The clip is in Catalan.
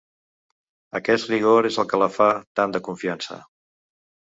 Aquest rigor és el que la fa tan de confiança.